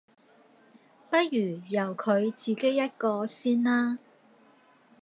不如由佢自己一個先啦